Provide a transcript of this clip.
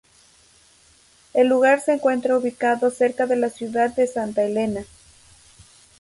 El lugar se encuentra ubicado cerca de la ciudad de Santa Elena.